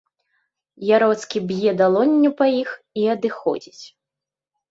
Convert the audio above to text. Яроцкі б'е далонню па іх і адыходзіць.